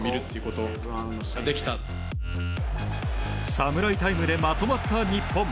侍タイムでまとまった日本。